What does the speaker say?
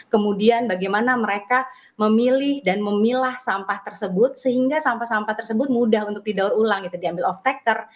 kemudian bagaimana mereka memilih dan memilah sampah tersebut sehingga sampah sampah tersebut mudah untuk didaur ulang gitu diambil off taker